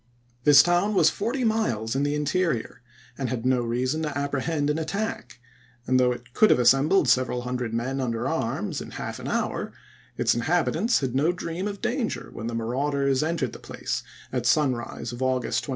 This town was forty miles p. 583. in the interior, and had no reason to apprehend an attack, and though it could have assembled several ma. hundred men under arms in half an horn', its inhab itants had no dream of danger when the marauders entered the place at sunrise of August 21.